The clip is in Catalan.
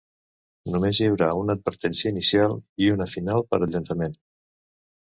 Només hi haurà una advertència inicial i una final per al llançament.